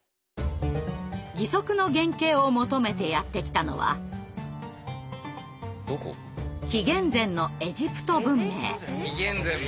義足の原形を求めてやって来たのは紀元前のエジプト文明。